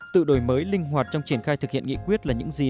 tự đổi mới linh hoạt trong triển khai thực hiện nghị quyết là những gì